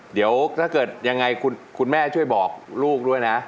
เดี๋ยวถ้าเกิดยังไงคุณแม่ช่วยบอกลูกด้วยนะ